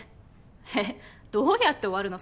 えっどうやって終わるの？